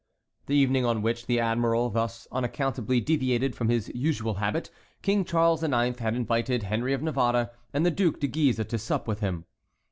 The evening on which the admiral thus unaccountably deviated from his usual habit, King Charles IX. had invited Henry of Navarre and the Duc de Guise to sup with him.